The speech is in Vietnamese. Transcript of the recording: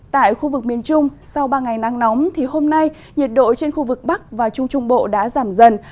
tại khu vực miền trung sau ba ngày nắng nóng thì hôm nay nhiệt độ trên khu vực bắc và trung trung bộ đã giảm dần